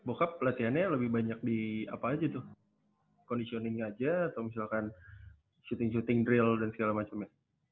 nah bokap latihannya lebih banyak di apa aja tuh conditioning aja atau misalkan shooting shooting drill dan segala macemnya